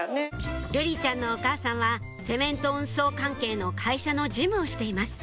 瑠璃ちゃんのお母さんはセメント運送関係の会社の事務をしています